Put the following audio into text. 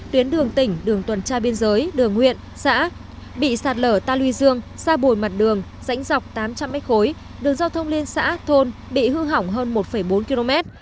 tuyến đường tỉnh đường tuần tra biên giới đường huyện xã bị sạt lở ta luy dương xa bồi mặt đường rãnh dọc tám trăm linh m khối đường giao thông liên xã thôn bị hư hỏng hơn một bốn km